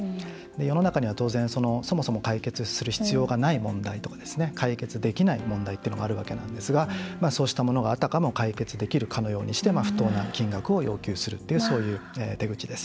世の中にはそもそも解決する必要がない問題とか解決できない問題っていうのがあるわけなんですがそうしたものがあたかも解決できるかのようにして不当な金額を要求するという手口です。